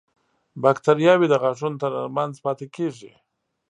باکتریاوې د غاښونو تر منځ پاتې کېږي.